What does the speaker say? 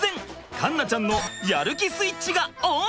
突然環奈ちゃんのやる気スイッチがオン！